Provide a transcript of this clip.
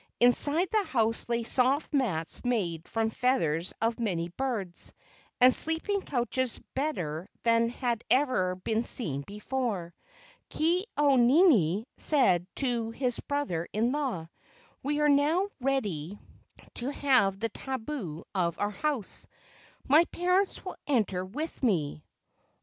Inside the house lay soft mats made from feath¬ ers of many birds, and sleeping couches better than had ever been seen before. Ke au nini said to his brother in law: "We are now ready i86 LEGENDS OF GHOSTS to have the tabu of our house. My parents will enter with me."